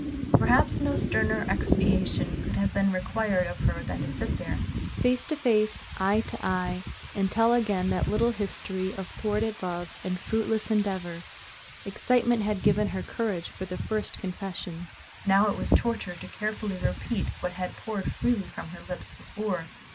Perhaps no sterner expiation could have been required of her than to sit there, face to face, eye to eye, and tell again that little history of thwarted love and fruitless endeavor. Excitement had given her courage for the first confession, now it was torture to carefully repeat what had poured freely from her lips before.